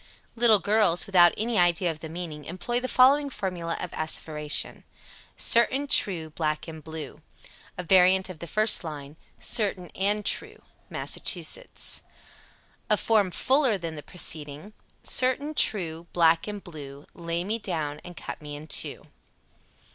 66. Little girls, without any idea of the meaning, employ the following formula of asseveration: Certain, true, Black and blue. A variant of the first line: "Certain and true." Massachusetts. 67. A form fuller than the preceding: Certain, true, Black and blue, Lay me down and cut me in two.